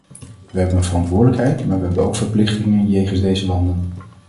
We hebben een verantwoordelijkheid, maar we hebben ook verplichtingen jegens deze landen.